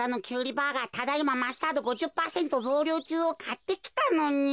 バーガー「ただいまマスタード５０パーセントぞうりょうちゅう」をかってきたのに。